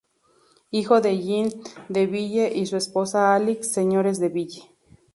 Hijo de Jean de Ville y su esposa Alix, señores de Ville.